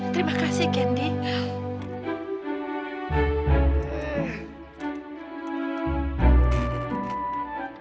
terima kasih candy